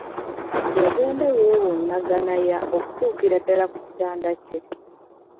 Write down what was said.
Yagenda yewuunaganaya okutuukira ddala ku kitanda kye.